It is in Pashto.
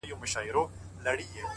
• یو ګیدړ وو ډېر چالاکه په ځغستا وو ,